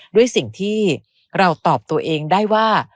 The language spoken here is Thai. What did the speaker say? ด้วยสิ่งที่เราตอบตัวเองได้ว่า